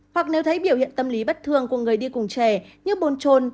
hoặc nếu thấy biểu hiện tâm lý bất thường của người đi cùng trẻ như bồn trồn